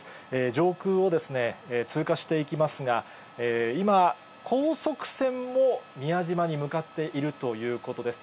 上空をですね、通過していきますが、今、高速船も宮島に向かっているということです。